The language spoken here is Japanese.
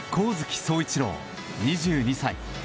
壮一郎、２２歳。